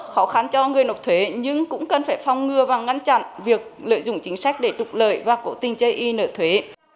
khó khăn cho người nộp thuế nhưng cũng cần phải phong ngừa và ngăn chặn việc lợi dụng chính sách để trục lợi và cố tình chây y nợ thuế